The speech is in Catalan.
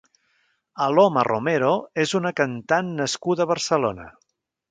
Aloma Romero és una cantant nascuda a Barcelona.